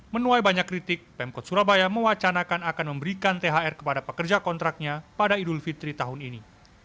menuai banyak kritik pemkot surabaya mewacanakan akan memberikan thr kepada pekerja kontraknya pada idul fitri tahun ini